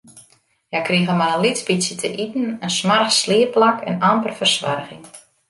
Hja krigen mar in lyts bytsje te iten, in smoarch sliepplak en amper fersoarging.